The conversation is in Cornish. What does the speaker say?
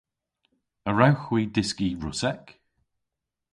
A wrewgh hwi dyski Russek?